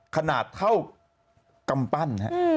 ขนาดเท่ากำปั้น